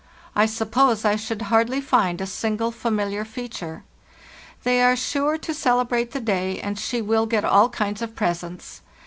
I suppose I should hardly find a single familiar feature. They are sure to celebrate the day, and she will get all kinds of presents.